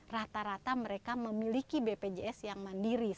rata rata mereka memiliki bpjs yang mandiri